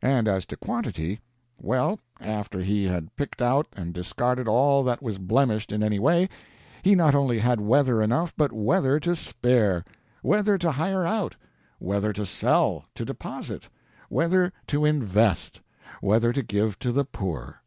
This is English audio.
And as to quantity well, after he had picked out and discarded all that was blemished in any way, he not only had weather enough, but weather to spare; weather to hire out; weather to sell; to deposit; weather to invest; weather to give to the poor.